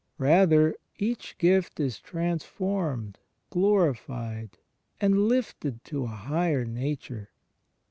Rather, each gift is transformed, glorified, and lifted to a higher nature.